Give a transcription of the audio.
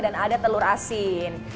dan ada telur asin